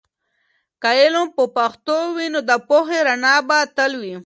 که علم په پښتو وي، نو د پوهې رڼا به تل وي.